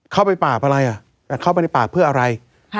เข้าไปป่าอะไรอ่ะเข้าไปป่าเพื่ออะไร